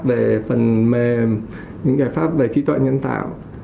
về phần mềm những giải pháp về trí tuệ nhân tạo